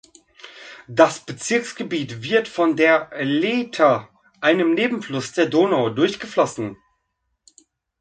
Das Bezirksgebiet wird von der Leitha, einem Nebenfluss der Donau, durchflossen.